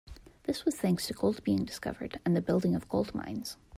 This was thanks to gold being discovered and the building of gold mines.